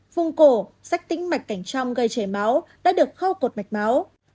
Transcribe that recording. vùng cổ sách tĩnh mạch cảnh trong gây chảy máu đã được khâu cột mạch máu